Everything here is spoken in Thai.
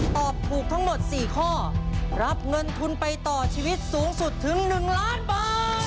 ตอบถูกทั้งหมด๔ข้อรับเงินทุนไปต่อชีวิตสูงสุดถึง๑ล้านบาท